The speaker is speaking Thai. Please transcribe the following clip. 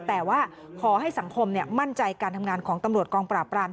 แต่ว่าขอให้สังคมมั่นใจการทำงานของตำรวจกองปราบราม